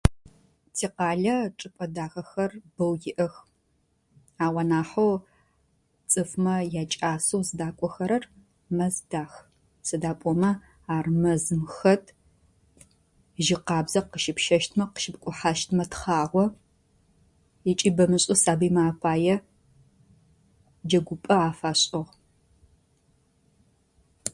Сикъалэ чӏыпӏэ дахэхэр бэу иӏэх. Ау анахьэу цӏыфмэ якӏасэу зыдакӏохэрэр Мэздах. Сыда пӏомэ ар мэзым хэт, жьы къабзэ къыщыпщэщтмэ, къыщыпкӏухьэщтмэ тхъагъо. Икӏыбэ мышӏэ сабыймэ апае джэгупӏэ афашӏыгъ.